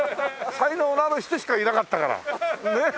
才能のある人しかいなかったからねっ。